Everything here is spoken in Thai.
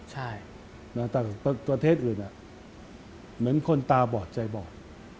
ใช่แต่ประเทศอื่นเหมือนคนตาบอดใจบอด